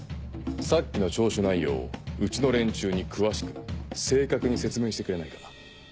さっきの聴取内容をうちの連中に詳しく正確に説明してくれないか。